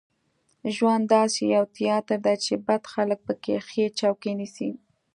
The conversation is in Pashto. ژوند داسې یو تیاتر دی چې بد خلک په کې ښې چوکۍ نیسي.